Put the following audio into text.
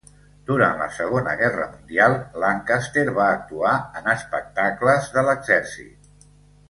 Durant la Segona Guerra Mundial, Lancaster va actuar en espectacles de l'exèrcit.